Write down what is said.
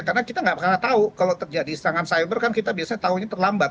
karena kita nggak pernah tahu kalau terjadi serangan cyber kan kita biasanya tahunya terlambat